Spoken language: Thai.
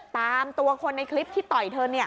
ตามตัวคนในคลิปที่ต่อยเธอ